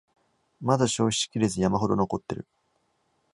まだ消費しきれず山ほど残ってる